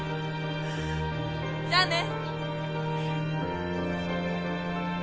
じゃあね！